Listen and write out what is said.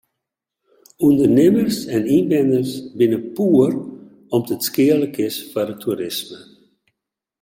Undernimmers en ynwenners binne poer om't it skealik is foar it toerisme.